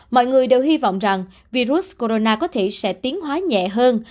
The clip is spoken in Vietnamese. mọi người đều hy vọng rằng virus corona có thể sẽ tiến hóa nhẹ hơn